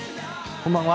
こんばんは。